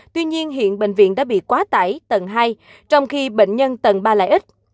tuy nhiên hiện bệnh viện đã bị quá tải tầng hai trong khi bệnh nhân tầng ba lại ít